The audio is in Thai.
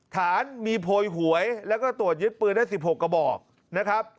ฐานมีโพยหวยแล้วก็ตรวจยึดปืนได้๑๖กระบอกนะครับ